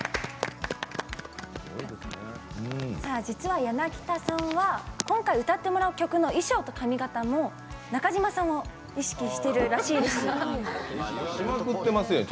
実は、柳田さんは今回、歌ってもらう曲の衣装と髪形も中島さんを意識してるらしいです。